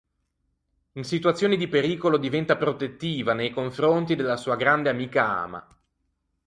In situazioni di pericolo diventa protettiva nei confronti della sua grande amica Ama.